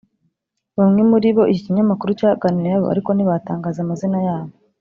Bamwe mu bo iki kinyamakuru cyaganiriye nabo ariko ntibatangaza amazina yabo